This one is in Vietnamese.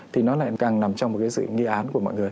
thì nó lại càng nằm trong một cái sự nghi án của mọi người